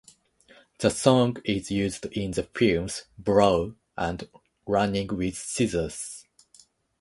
The song is used in the films "Blow" and "Running with Scissors".